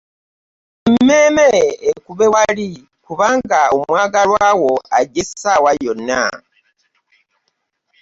Emmeeme ekube wali kubanga omwagalwa wo ajja ssaawa yonna.